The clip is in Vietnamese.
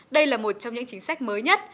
đây là một trong những chính sách mới nhất